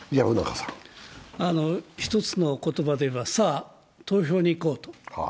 一つの言葉で言えば、さあ、投票に行こうと。